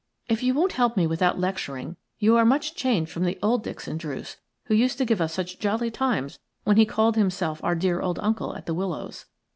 "If you won't help me without lecturing, you are much changed from the old Dixon Druce who used to give us such jolly times when he called, himself our dear old uncle at The Willows.